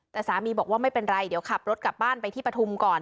แต่สามีบอกว่าไม่เป็นไรเดี๋ยวขับรถกลับบ้านไปที่ปฐุมก่อน